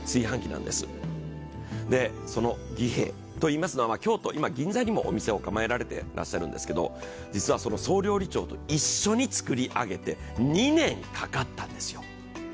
その儀兵衛といいますのは京都、銀座にもお店を構えてらっしゃるんですけど実はその総料理長と一緒に作り上げて２年かかったんですよ。